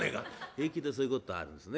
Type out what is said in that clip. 平気でそういうことあるんですね。